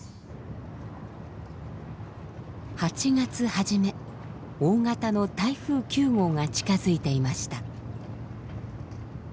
８月初め大型の台風９号が近づいていました。